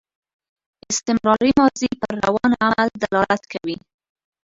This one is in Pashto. استمراري ماضي پر روان عمل دلالت کوي.